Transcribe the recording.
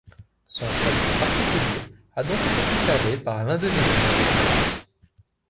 Son statut particulier a donc été conservé par l'Indonésie indépendante.